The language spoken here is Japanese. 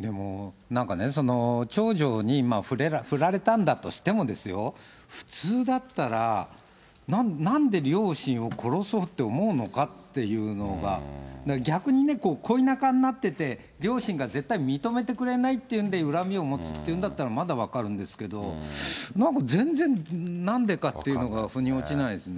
でもなんかね、長女にふられたんだとしてもですよ、普通だったら、なんで両親を殺そうって思うのかっていうのが、逆にね、恋仲になってて、両親が絶対認めてくれないっていうんで、恨みを持つっていうんだったら、まだ分かるんですけど、なんか全然、なんでかっていうのがふに落ちないですね。